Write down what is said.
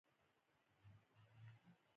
د سوداګرۍ او پانګونو خونو ترمنځ